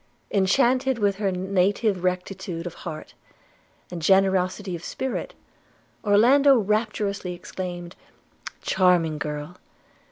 Enchanted with her native rectitude of heart and generosity of spirit, Orlando rapturously exclaimed, 'Charming girl!